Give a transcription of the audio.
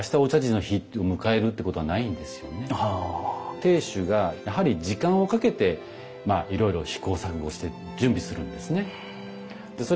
亭主がやはり時間をかけていろいろ試行錯誤をして準備するんですね。